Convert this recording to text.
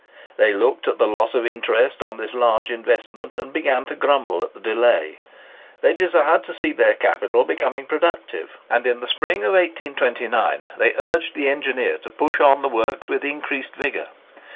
They looked at the loss of interest on this large investment, and began to grumble at the delay. They desired to see their capital becoming productive; and in the spring of 1829 they urged the engineer to push on the works with increased vigour.